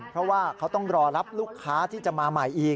เพราะว่าเขาต้องรอรับลูกค้าที่จะมาใหม่อีก